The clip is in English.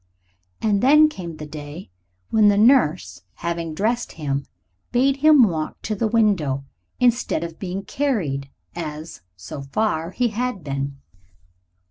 And then came the day when the nurse, having dressed him, bade him walk to the window, instead of being carried, as, so far, he had been.